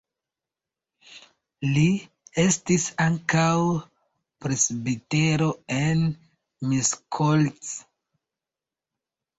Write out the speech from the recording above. Li estis ankaŭ presbitero en Miskolc.